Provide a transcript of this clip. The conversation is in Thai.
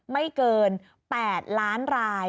ไม่เกิน๘ล้านราย